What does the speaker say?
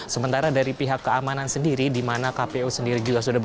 sementara dari pihak keamanan sendiri di mana kpu sendiri juga sudah